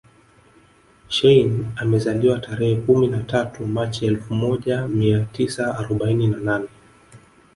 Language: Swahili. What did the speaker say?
Shein amezaliwa tarehe kumi na tatu machi elfu moja mia tisa arobaini na nane